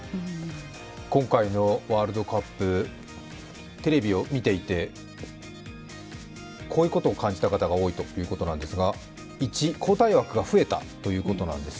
今回のワールドカップ、テレビを見ていて、こういうことを感じた方が多いということです。